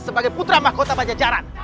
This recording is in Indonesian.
sebagai putra makota bajajaran